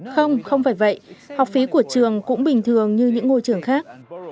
không không phải vậy học phí của trường cũng bình thường như những ngôi trường khác